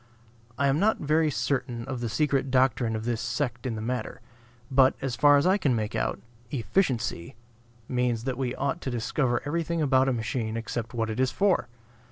I am not very certain of the secret doctrine of this sect in the matter. But, as far as I can make out, "efficiency" means that we ought to discover everything about a machine except what it is for.